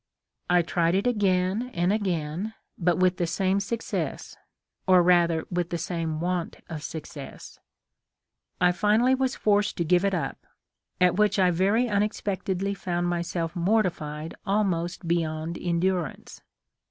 I tried it again and again, but with the same success, or rather with the same want of success. " I finally was forced to give it up ; at which I very unexpectedly found myself mortified almost beyond endurance.